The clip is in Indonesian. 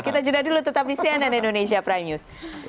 kita jeda dulu tetap di cnn indonesia prime news